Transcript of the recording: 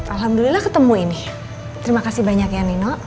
alhamdulillah ketemu ini terima kasih banyak ya nino